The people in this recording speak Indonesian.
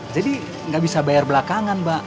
jadi gak bisa bayar belakangan mbak